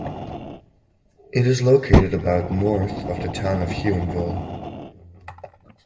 It is located about north of the town of Huonville.